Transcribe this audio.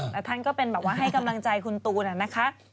แล้วท่านก็เป็นแบบว่าให้กำลังใจคุณตูนนะคะ